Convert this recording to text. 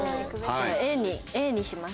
ＡにＡにします。